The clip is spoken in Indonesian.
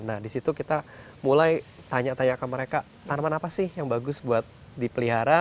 nah disitu kita mulai tanya tanya ke mereka tanaman apa sih yang bagus buat dipelihara